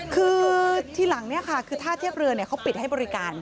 คือทีหลังคือท่าเทียบเรือเขาปิดให้บริการ